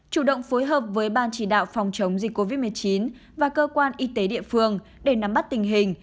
chủ động phối hợp với ban chỉ đạo phòng chống dịch covid một mươi chín và cơ quan y tế địa phương để nắm bắt tình hình